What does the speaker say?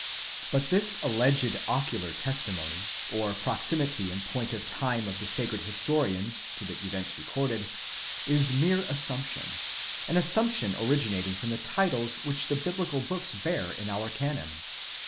But this alleged ocular testimony, or proximity in point of time of the sacred historians to the events recorded, is mere assumption, an assumption originating from the titles which the biblical books bear in our Canon.